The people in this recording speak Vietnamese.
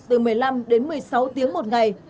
từ một mươi năm đến một mươi sáu tiếng một ngày